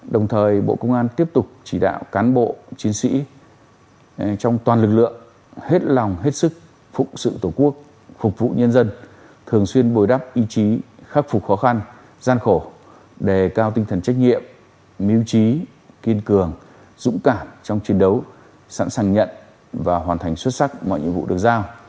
đồng thời bộ công an tiếp tục chỉ đạo cán bộ chiến sĩ trong toàn lực lượng hết lòng hết sức phục sự tổ quốc phục vụ nhân dân thường xuyên bồi đắp ý chí khắc phục khó khăn gian khổ đề cao tinh thần trách nhiệm mưu trí kiên cường dũng cảm trong chiến đấu sẵn sàng nhận và hoàn thành xuất sắc mọi nhiệm vụ được giao